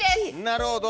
なるほど。